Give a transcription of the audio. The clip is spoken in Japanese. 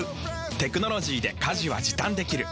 テクノロジーで家事は時短できる。